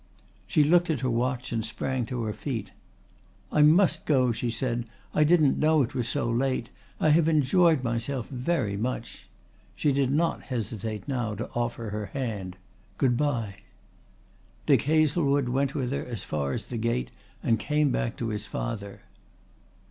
She looked at her watch and sprang to her feet. "I must go," she said. "I didn't know it was so late. I have enjoyed myself very much." She did not hesitate now to offer her hand. "Goodbye." Dick Hazlewood went with her as far as the gate and came back to his father.